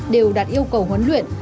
đều đạt yêu cầu huấn luyện